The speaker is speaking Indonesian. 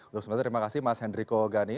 untuk semuanya terima kasih mas hendriko gani